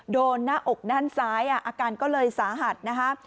หน้าอกด้านซ้ายอาการก็เลยสาหัสนะคะ